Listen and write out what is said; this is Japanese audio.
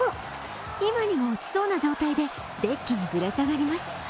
今にも落ちそうな状態でデッキにぶら下がります。